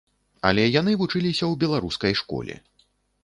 Але яны вучыліся ў беларускай школе.